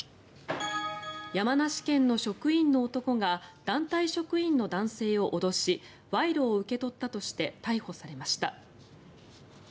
山梨県の職員の男が団体職員の男性を脅し賄賂を受け取ったとして逮捕されました。